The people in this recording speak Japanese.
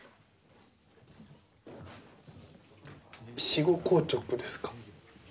死後硬直ですか。